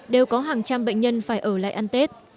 đều có hàng trăm bệnh nhân phải ở lại ăn tết